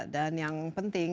dan yang penting